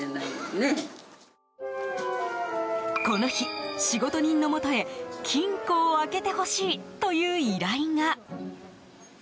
この日、仕事人のもとへ金庫を開けてほしいという依頼が。